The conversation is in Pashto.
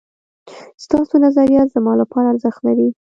ستاسو نظريات زما لپاره ارزښت لري